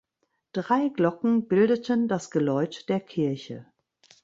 Drei Glocken bildeten das Geläut der Kirche.